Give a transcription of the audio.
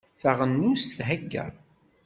Taɣenust thegga.